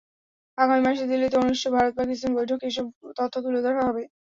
আগামী মাসে দিল্লিতে অনুষ্ঠেয় ভারত-পাকিস্তান বৈঠকে এসব তথ্য তুলে ধরা হবে।